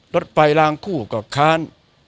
รถไฟลางคู่กับค้าน